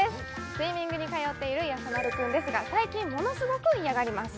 スイミングに通っているやさ丸くんですが最近ものすごく嫌がります